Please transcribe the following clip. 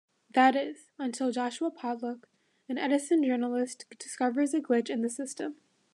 That is, until Joshua Pollack, an Edison journalist discovers a glitch in the system.